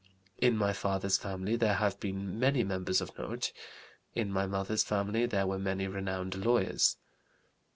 "In my father's family there have been many members of note. In my mother's family there were many renowned lawyers.